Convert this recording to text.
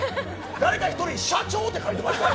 誰か１人社長って書いてましたよ。